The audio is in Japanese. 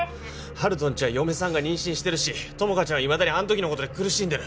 温人んちは嫁さんが妊娠してるし友果ちゃんはいまだにあん時のことで苦しんでる